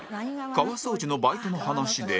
川掃除のバイトの話で